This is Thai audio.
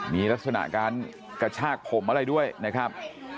มีลักษณะการกระชากผมอะไรด้วยนะครับ